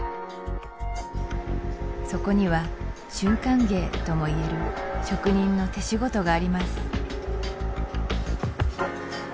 そこには瞬間芸ともいえる職人の手仕事があります